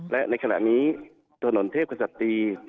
และในขณะนี้ถนนเทพกษัตรี